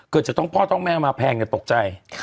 เกิดจะต้องพ่อต้องแม่มาแพงเนี่ยตกใจ